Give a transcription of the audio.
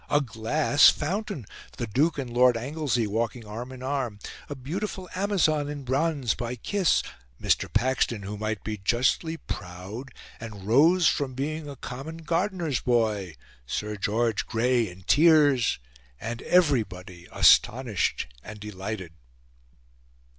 a glass fountain the Duke and Lord Anglesey walking arm in arm a beautiful Amazon, in bronze, by Kiss Mr. Paxton, who might be justly proud, and rose from being a common gardener's boy Sir George Grey in tears, and everybody astonished and delighted.